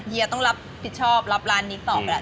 เยีต้องรับผิดชอบรับร้านนี้ต่อไปแหละ